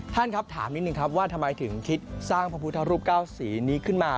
ท่านครับถามนิดนึงครับว่าทำไมถึงคิดสร้างพระพุทธรูปเก้าสีนี้ขึ้นมา